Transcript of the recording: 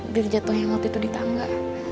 dari jatuhnya waktu itu di tangga